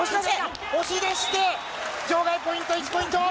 押し出して、場外ポイント１ポイント。